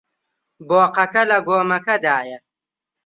بۆقەکە لە گۆمەکەدایە.